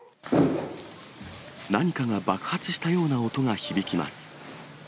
何かが爆発したような音が響きます。